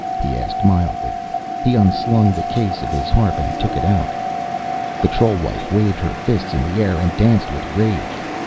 he asked mildly. He unslung the case of his harp and took it out. The troll wife waved her fists in the air and danced with rage.